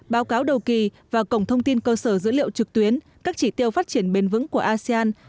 báo cáo đầu kỳ và cổng thông tin cơ sở dữ liệu trực tuyến các chỉ tiêu phát triển bền vững của asean